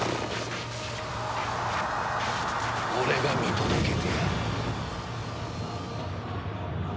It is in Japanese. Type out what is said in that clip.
俺が見届けてやる。